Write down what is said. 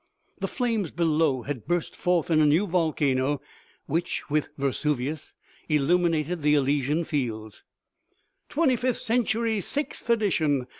The flames below had burst forth in a new volcano, which, with Vesuvius, illuminated the Blysian fields. " Twenty fifth Century, sixth edition